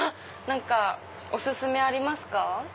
何かお薦めありますか？